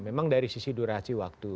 memang dari sisi durasi waktu